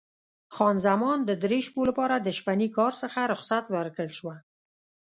خان زمان د درې شپو لپاره له شپني کار څخه رخصت ورکړل شوه.